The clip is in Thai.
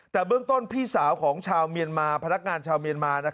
แต่เบื้องต้นพี่สาวของชาวเมียนมาพนักงานชาวเมียนมา